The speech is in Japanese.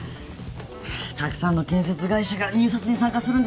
たくさんの建設会社が入札に参加するんですかね。